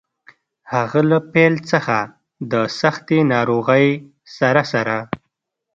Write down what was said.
هغه له پیل څخه د سختې ناروغۍ سره سره.